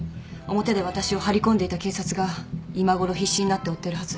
表で私を張り込んでいた警察が今ごろ必死になって追ってるはず。